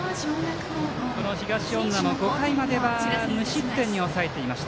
東恩納も５回までは無失点に抑えていました。